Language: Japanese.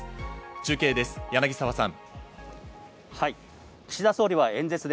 中継です、柳沢さん。